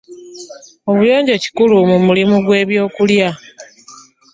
Obuyonjo kikulu mu mulimu gw'ebyokulya.